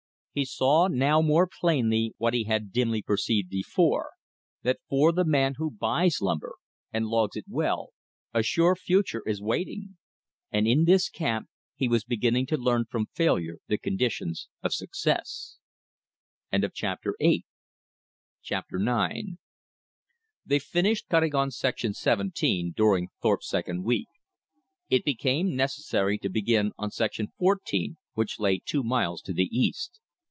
He saw now more plainly what he had dimly perceived before, that for the man who buys timber, and logs it well, a sure future is waiting. And in this camp he was beginning to learn from failure the conditions of success. Chapter IX They finished cutting on section seventeen during Thorpe's second week. It became necessary to begin on section fourteen, which lay two miles to the east.